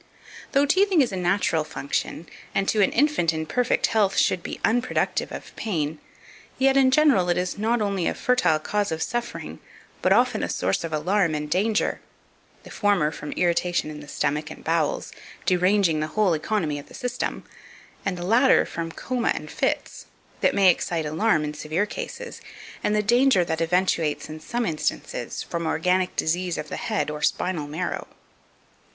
2517. Though teething is a natural function, and to an infant in perfect health should be unproductive of pain, yet in general it is not only a fertile cause of suffering, but often a source of alarm and danger; the former, from irritation in the stomach and bowels, deranging the whole economy of the system, and the latter, from coma and fits, that may excite alarm in severe cases; and the danger, that eventuates in some instances, from organic disease of the head or spinal marrow.